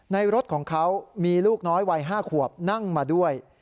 รถของเขามีลูกน้อยวัย๕ขวบนั่งมาด้วย